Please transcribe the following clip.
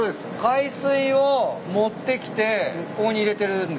海水を持ってきてここに入れてるんですか？